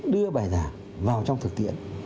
đưa bài giảng vào trong thực tiễn